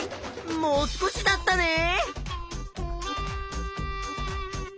もう少しだったね！